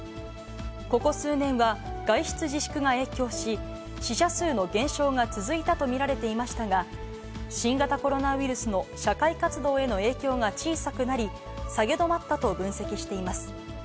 ここ数年は外出自粛が影響し、死者数の減少が続いたと見られていましたが、新型コロナウイルスの社会活動への影響が小さくなり、下げ止まったと分析しています。